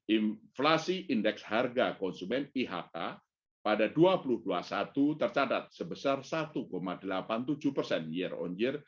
inflasi indeks harga konsumen ihk pada dua ribu dua puluh satu tercatat sebesar satu delapan puluh tujuh persen year on year